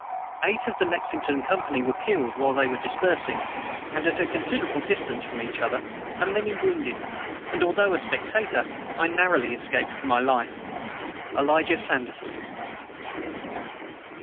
Eight of the Lexington company were killed while they were dispersing, and at a considerable distance from each other, and many wounded; and, although a spectator, I narrowly escaped with my life. "ELIJAH SANDERSON."